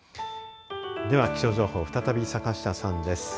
では気象情報、再び坂下さんです。